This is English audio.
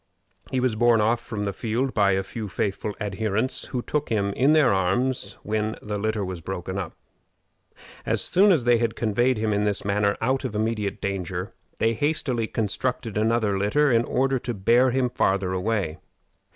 He was borne off from the field by a few faithful adherents, who took him in their arms when the litter was broken up. As soon as they had conveyed him in this manner out of immediate danger, they hastily constructed another litter in order to bear him farther away.